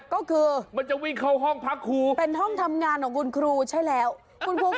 ก็คือเป็นห้องทำงานของคุณครูใช่แล้วมันจะวิ่งเข้าห้องพักครู